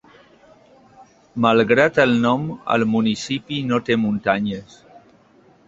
Malgrat el nom, el municipi no té muntanyes.